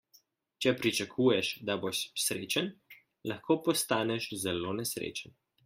Če pričakuješ, da boš srečen, lahko postaneš zelo nesrečen.